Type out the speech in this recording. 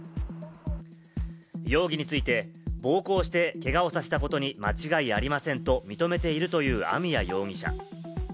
容疑について、暴行してけがをさせたことに間違いありませんと、認めているという網谷容疑者。